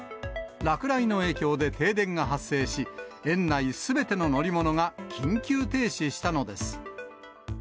落雷の影響で停電が発生し、園内すべての乗り物が緊急停止したのです。